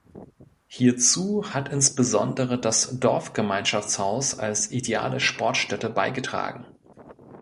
Hierzu hat insbesondere das Dorfgemeinschaftshaus als ideale Sportstätte beigetragen.